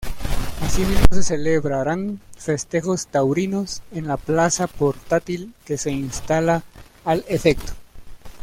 Asimismo se celebrarán festejos taurinos en una plaza portátil que se instala al efecto.